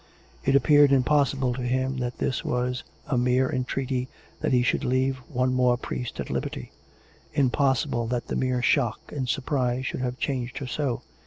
It appeared impossible to him that this was a mere entreaty that he should leave one more priest at liberty; impossible that the mere shock and surprise should have changed her so.